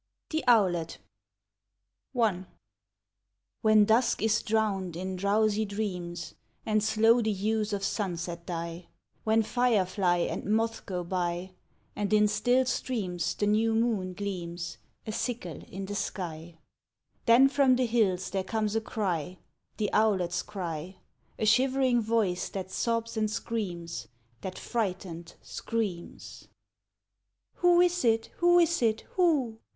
THE OWLET I When dusk is drowned in drowsy dreams, And slow the hues of sunset die; When firefly and moth go by, And in still streams the new moon gleams, A sickle in the sky; Then from the hills there comes a cry, The owlet's cry; A shivering voice that sobs and screams, That, frightened, screams: "Who is it, who is it, who?